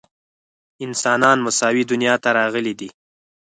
انسانان مساوي دنیا ته راغلي دي.